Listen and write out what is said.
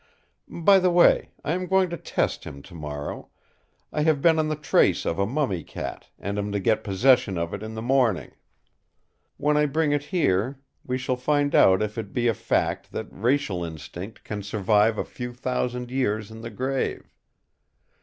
By the way, I am going to test him tomorrow; I have been on the trace of a mummy cat, and am to get possession of it in the morning. When I bring it here we shall find out if it be a fact that racial instinct can survive a few thousand years in the grave.